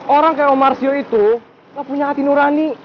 orang kayak omar sio itu gak punya hati nurani